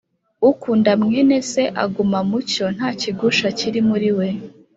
Ukunda mwene Se aguma mu mucyo, nta kigusha kiri muri we,